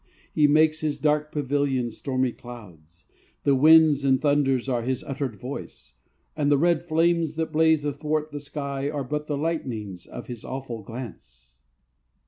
He makes His dark pavillion stormy clouds; The winds and thunders are His uttered voice; And the red flames that blaze athwart the sky Are but the lightnings of His awful glance!"